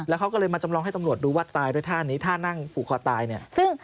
เขาก็เลยมาจำลองให้ตำรวจดูว่าตายด้วยท่านี้ท่านั่งผูกคอตายเนี่ย